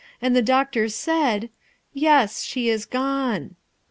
and the doctor said : "'Yes, she is gone.'"